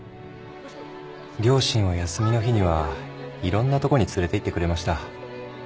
両親は休みの日にはいろんなとこに連れていってくれました。